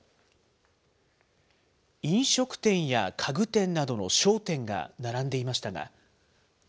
飲食店や家具店などの商店が並んでいましたが。